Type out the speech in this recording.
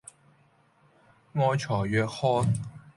愛才若渴